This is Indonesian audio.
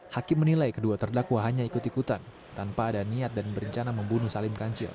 hakim menilai kedua terdakwa hanya ikut ikutan tanpa ada niat dan berencana membunuh salim kancil